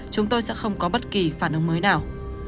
chúng tôi sẽ không có bất kỳ phản ứng mới nào